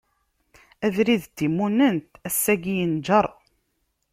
Abrid n timunent, ass-agi yenǧeṛ.